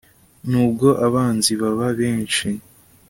n'ubwo abanzi baba benshi